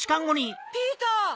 ピーター！